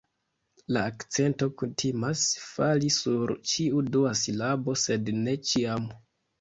La akcento kutimas fali sur ĉiu dua silabo sed ne ĉiam